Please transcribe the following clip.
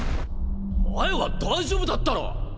前は大丈夫だったろ！